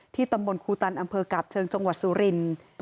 ตำบลครูตันอำเภอกาบเชิงจังหวัดสุรินทร์